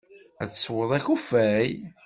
Ad teswed akeffay?